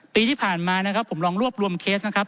ปีที่ผ่านมานะครับผมลองรวบรวมเคสนะครับ